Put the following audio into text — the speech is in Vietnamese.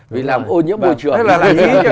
vì làm ô nhiễm môi trường